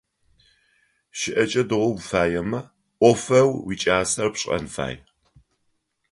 Щыӏэкӏэ дэгъу уфаемэ, ӏофэу уикӏасэр пшэн фае.